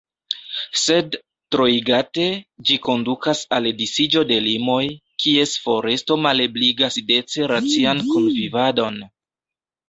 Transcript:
Sed, troigate, ĝi kondukas al disiĝo de limoj, kies foresto malebligas dece racian kunvivadon.